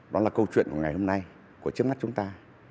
đó là câu chuyện của ngày hôm nay của trước mắt chúng ta